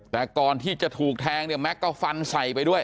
แต่ก่อนที่จะถูกแทงเนี่ยแม็กซ์ก็ฟันใส่ไปด้วย